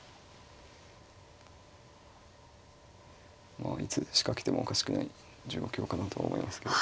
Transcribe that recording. まあいつ仕掛けてもおかしくない状況かなと思いますけど。